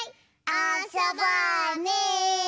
あそぼうね！